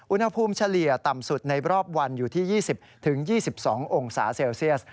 อุณหภูมิเฉลี่ยต่ำสุดในรอบวันอยู่ที่๒๐๒๒องศาเซลเซียส